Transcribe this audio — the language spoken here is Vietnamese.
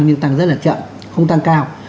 nhưng tăng rất là chậm không tăng cao